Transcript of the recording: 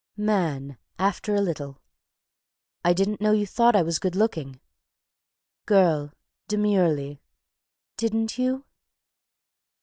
_) MAN. (After a little.) "I didn't know you thought I was good looking." GIRL. (Demurely.) "Didn't you?"